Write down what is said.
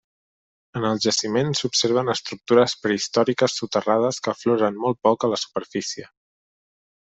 En el jaciment s'observen estructures prehistòriques soterrades que afloren molt poc a la superfície.